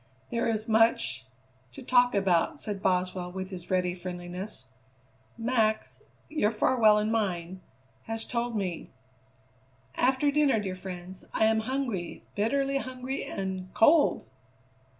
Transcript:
"There is much to talk about," said Boswell with his ready friendliness; "Max your Farwell and mine has told me " "After dinner, dear friends. I am hungry, bitterly hungry and cold!"